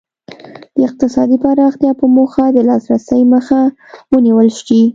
د اقتصادي پراختیا په موخه د لاسرسي مخه ونیول شي.